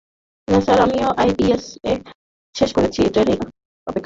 না স্যার, আমিও IPS exam শেষ করেছি এবং ট্রেনিং এর অপেক্ষায় আছি।